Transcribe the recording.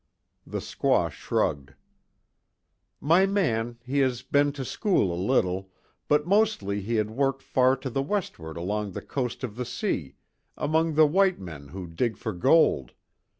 The squaw shrugged: "My man he had been to school a little, but mostly he had worked far to the westward along the coast of the sea among the white men who dig for gold.